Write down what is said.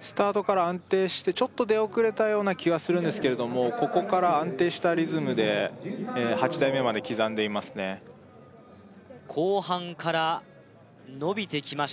スタートから安定してちょっと出遅れたような気はするんですけれどもここから安定したリズムで８台目まで刻んでいますね後半から伸びてきました